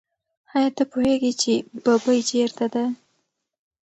آیا ته پوهېږې چې ببۍ چېرته ده؟